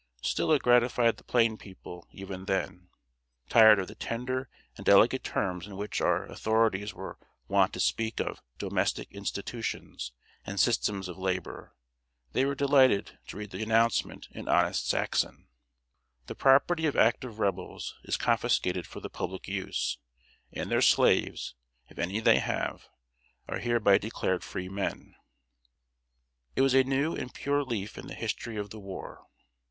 Still it gratified the plain people, even then. Tired of the tender and delicate terms in which our authorities were wont to speak of "domestic institutions" and "systems of labor," they were delighted to read the announcement in honest Saxon: "The property of active Rebels is confiscated for the public use; and their slaves, if any they have, are hereby declared Free Men." It was a new and pure leaf in the history of the war.